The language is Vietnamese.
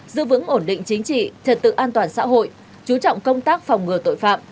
giữ vững ổn định chính trị trật tự an toàn xã hội chú trọng công tác phòng ngừa tội phạm